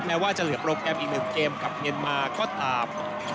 แม้ว่าจะเหลือโปรแกรมอีก๑เกมกับเมียนมาก็ตาม